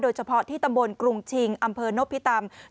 เฉพาะที่ตำบลกรุงชิงอำเภอนพิตำ